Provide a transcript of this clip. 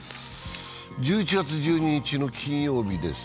１１月１２日の金曜日です。